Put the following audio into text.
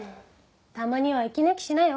たまには息抜きしなよ？